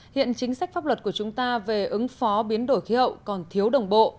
hiện chính sách pháp luật của chúng ta về ứng phó biến đổi khí hậu còn thiếu đồng bộ